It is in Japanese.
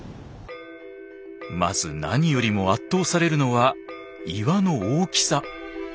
まず何よりも圧倒されるのは岩の大きさ。